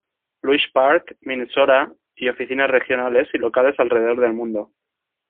Louis Park, Minnesota y oficinas regionales y locales alrededor del mundo.